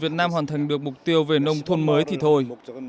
việt nam hoàn thành được mục tiêu về nông thôn mới thì thôi